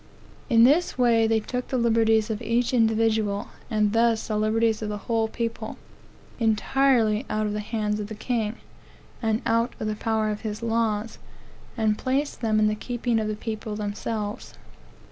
In this way they took the liberties of each individual and thus the liberties of the whole people entirely out of the hands of the king, and out of the power of his laws, and placed them in the keeping of the people themselves.